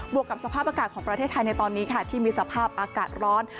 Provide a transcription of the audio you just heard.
วกกับสภาพอากาศของประเทศไทยในตอนนี้ค่ะที่มีสภาพอากาศร้อน